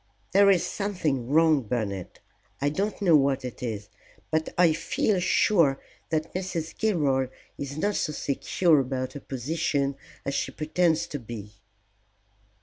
There is something wrong, Bernard. I don't know what it is, but I feel sure that Mrs. Gilroy is not so secure about her position as she pretends to be."